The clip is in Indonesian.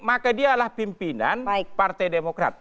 maka dia adalah pimpinan partai demokrat